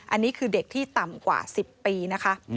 อันนี้คือเด็กที่ต่ำกว่า๑๐ปีนะคะ